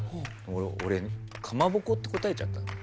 俺かまぼこって答えちゃったの。